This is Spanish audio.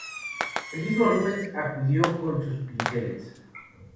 El mismo Rubens acudió con sus pinceles.